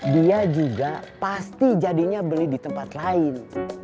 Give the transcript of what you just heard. dia juga pasti jadinya beli di tempat lain